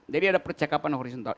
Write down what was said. jadi ada percakapan horizontal